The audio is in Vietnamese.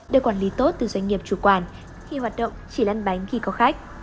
để quản lý tốt từ doanh nghiệp chủ quản khi hoạt động chỉ lăn bánh khi có khách